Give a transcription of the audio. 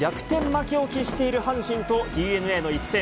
負けを喫している阪神とＤｅＮＡの一戦。